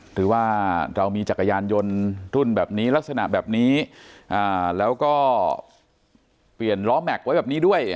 หรือว่าเรามีจักรยานยนต์รุ่นแบบนี้ลักษณะแบบนี้แล้วก็เปลี่ยนล้อแม็กซ์ไว้แบบนี้ด้วย